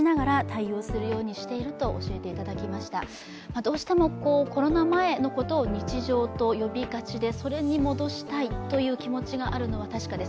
どうしてもコロナ前のことを日常と呼びがちで、それに戻したいという気持ちがあるのは確かです。